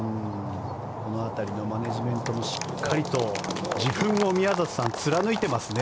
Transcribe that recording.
この辺りのマネジメントもしっかりと自分を貫いていますね。